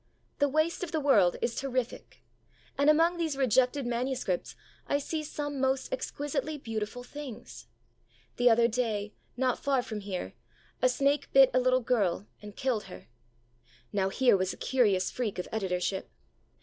The waste of the world is terrific. And among these rejected manuscripts I see some most exquisitely beautiful things. The other day, not far from here, a snake bit a little girl and killed her. Now here was a curious freak of editorship!